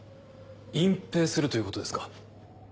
隠蔽するということですか？